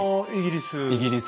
イギリス。